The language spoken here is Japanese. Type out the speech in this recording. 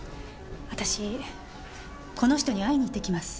私この人に会いに行ってきます。